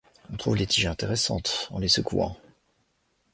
On trouve les tiges intéressantes en les secouant.